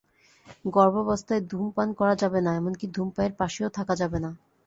গর্ভাবস্থায় ধূমপান করা যাবে না, এমনকি ধূমপায়ীর পাশেও থাকা যাবে না।